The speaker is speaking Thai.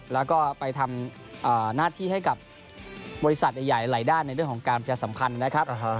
แล้วก็ไปทำหน้าที่ให้กับบริษัทใหญ่หลายด้านในเรื่องของการประชาสัมพันธ์นะครับ